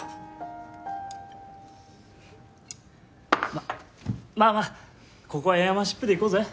ままあまあここはエアーマンシップでいこうぜ。